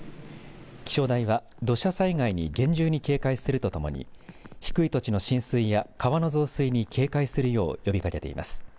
気象台は、土砂災害に厳重に警戒するとともに低い土地の浸水や川の増水に警戒するよう呼びかけています。